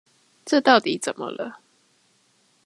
這到底怎麼了？